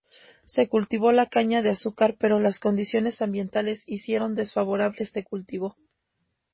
Se cultivó la caña de azúcar pero las condiciones ambientales hicieron desfavorable este cultivo.